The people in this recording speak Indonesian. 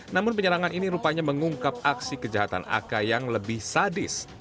namun penyerangan ini rupanya mengungkap aksi kejahatan ak yang lebih sadis